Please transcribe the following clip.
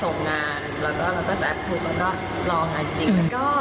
ส่งงานแล้วก็แอบพูดแล้วก็รองานจริง